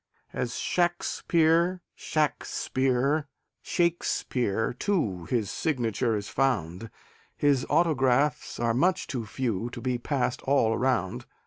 As "Shaxpere," "Shakspere," "Shaikspeare," too, His signature is found; His autographs are much too few To be passed all around.